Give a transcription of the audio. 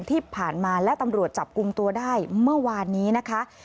ที่ผ่านมาและตำรวจจับกลุ่มตัวได้เมื่อวานนี้นะคะ